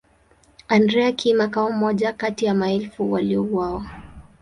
Andrea Kim akawa mmoja kati ya maelfu waliouawa.